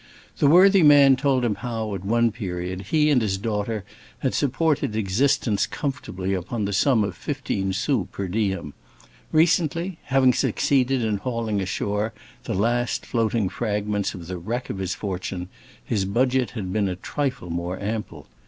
The worthy man told him how, at one period, he and his daughter had supported existence comfortably upon the sum of fifteen sous per diem; recently, having succeeded in hauling ashore the last floating fragments of the wreck of his fortune, his budget had been a trifle more ample.